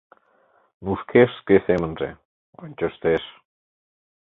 — Нушкеш шке семынже... ончыштеш...